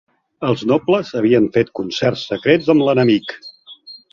Els nobles havien fet concerts secrets amb l'enemic.